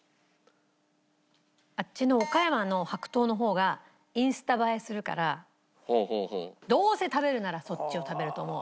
あっちの岡山の白桃の方がインスタ映えするからどうせ食べるならそっちを食べると思う。